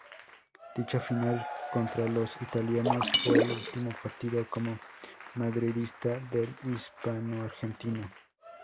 Dicha final contra los italianos fue el último partido como madridista del hispanoargentino.